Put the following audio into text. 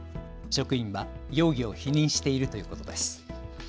職員は容疑を否認しているということです。